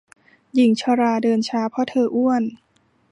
หญิงชราเดินช้าเพราะเธออ้วน